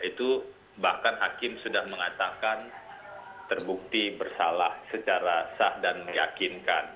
itu bahkan hakim sudah mengatakan terbukti bersalah secara sah dan meyakinkan